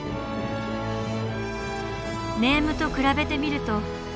ネームと比べてみると。